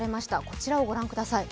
こちらをご覧ください。